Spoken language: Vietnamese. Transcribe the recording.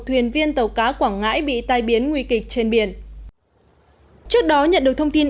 thuyền viên tàu cá quảng ngãi bị tai biến nguy kịch trên biển trước đó nhận được thông tin